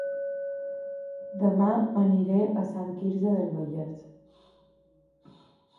Dema aniré a Sant Quirze del Vallès